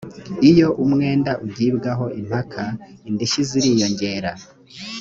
iyo umwenda ugibwaho impaka indishyi ziriyongera